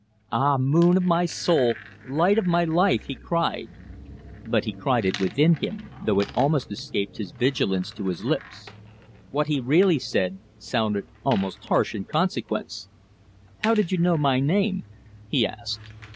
"Ah, moon of my soul! light of my life!" he cried, but he cried it within him, though it almost escaped his vigilance to his lips. What he really said sounded almost harsh in consequence. "How did you know my name?" he asked.